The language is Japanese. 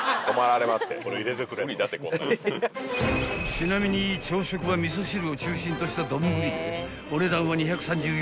［ちなみに朝食は味噌汁を中心とした丼でお値段は２３４円］